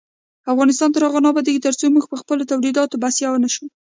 افغانستان تر هغو نه ابادیږي، ترڅو موږ پخپلو تولیداتو بسیا نشو.